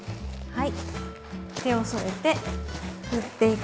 はい。